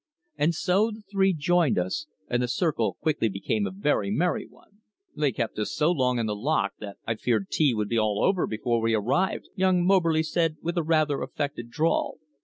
And so the three joined us, and the circle quickly became a very merry one. "They kept us so long in the lock that I feared tea would be all over before we arrived," young Moberly said, with a rather affected drawl.